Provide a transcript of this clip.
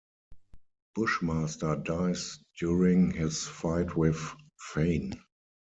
Bushmaster dies during his fight with Fain.